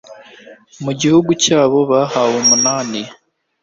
mu gihugu cyabo bahaweho umunani